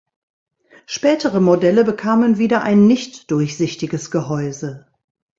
Spätere Modelle bekamen wieder ein nicht durchsichtiges Gehäuse.